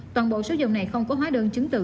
toàn bộ số dầu này không có hóa đơn chứng từ